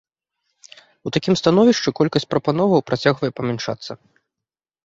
У такім становішчы колькасць прапановаў працягвае памяншацца.